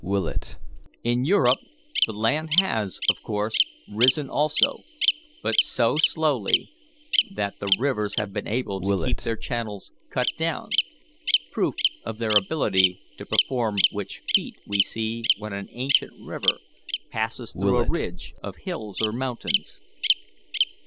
In Europe the land has, of course, risen also, but so slowly that the rivers have been able to keep their channels cut down; proof of their ability to perform which feat we see when an ancient river passes through a ridge of hills or mountains.